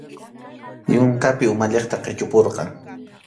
Yupanki umalliqta qichupurqan.